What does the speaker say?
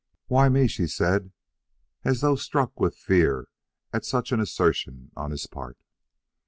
"Why me?" she said, as though struck with fear at such an assertion on his part.